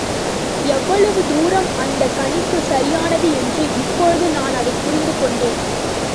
எவ்வளவு தூரம் அந்தக் கணிப்பு சரியானது என்று இப்போது நான் அதைப் புரிந்து கொண்டேன்.